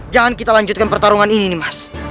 jangan kita lanjutkan pertarungan ini nih mas